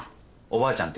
おばあちゃん